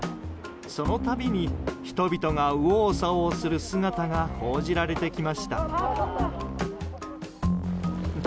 その度に人々が右往左往する姿が報じられてきました。